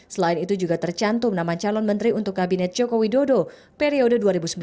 selain itu juga tercantum nama calon menteri untuk kabinet joko widodo periode dua ribu sembilan belas dua ribu dua